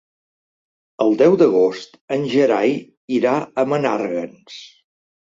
El deu d'agost en Gerai irà a Menàrguens.